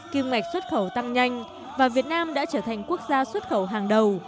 kim ngạch xuất khẩu tăng nhanh và việt nam đã trở thành quốc gia xuất khẩu hàng đầu